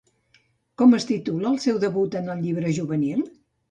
Com es titula el seu debut en el llibre juvenil?